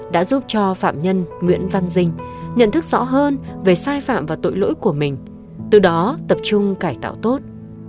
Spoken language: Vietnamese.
đã giúp cho phạm nhân nguyễn văn dinh nhận thức rõ hơn về sai phạm và tội lỗi của mình từ đó tập trung cải tạo tốt